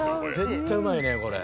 絶対うまいねこれ。